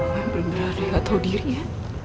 bang belum berarti gak tau diri ya